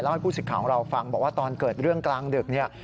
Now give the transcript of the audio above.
ให้ผู้สิทธิ์ของเราฟังบอกว่าตอนเกิดเรื่องกลางดึกเนี่ย